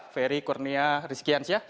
ferry kurnia rizkyansyah